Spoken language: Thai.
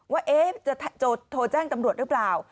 ว่าจะโทรแจ้งตำรวจหรือเปล่า